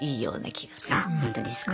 あほんとですか。